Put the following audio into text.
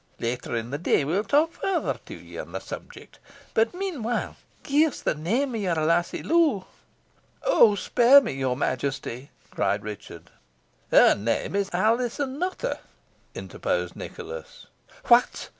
Later in the day, we will talk further to you on the subject; but, meanwhile, gie us the name of your lassie loo." "Oh! spare me, your Majesty," cried Richard. "Her name is Alizon Nutter," interposed Nicholas. "What!